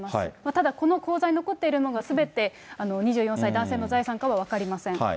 ただこの口座に残っているのが、すべて２４歳男性の財産かは分かりません。